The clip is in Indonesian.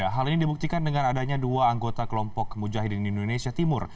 hal ini dibuktikan dengan adanya dua anggota kelompok mujahidin indonesia timur